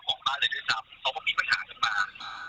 เข้าลมงานก่อนประกันมา